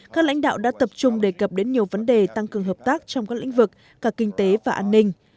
các lãnh đạo đã tập trung đề cập đến nhiều vấn đề tăng cường hợp tác trong các lĩnh vực cả kinh tế và an ninh